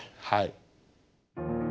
はい。